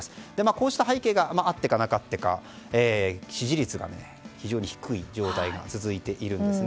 こうした背景があってかなくてか支持率が非常に低い状態が続いているんです。